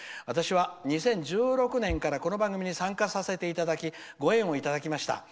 私は２０１６年からこの番組に参加させていただきご縁をいただきました。